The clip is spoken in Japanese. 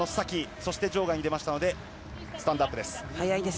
そして場外に出たのでスタンドアップです。